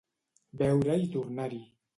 Beure i tornar-hi.